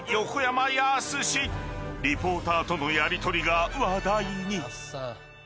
［リポーターとのやりとりが話題に］